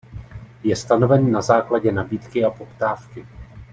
Je stanoven na základě nabídky a poptávky.